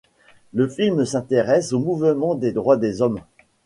Le film s’intéresse au mouvement des droits des hommes.